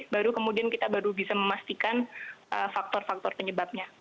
baru kemudian kita baru bisa memastikan faktor faktor penyebabnya